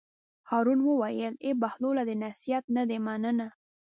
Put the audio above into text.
هارون وویل: ای بهلوله د نصیحت نه دې مننه.